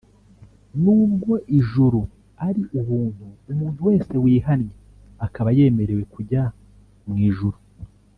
n’ubwo ijuru ari ubuntu umuntu wese wihannye akaba yemerewe kujya mw’ ijuru